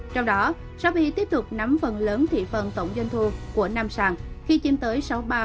trong đó shopee tiếp tục nắm phần lớn thị phần tổng doanh thu của năm sàn khi chiếm tới sáu mươi ba tám